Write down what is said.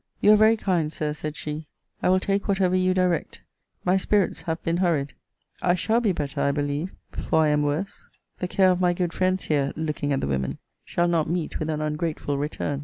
You are very kind, Sir, said she. I will take whatever you direct. My spirits have been hurried. I shall be better, I believe, before I am worse. The care of my good friends here, looking at the women, shall not meet with an ungrateful return.